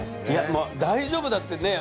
もう大丈夫だってねえ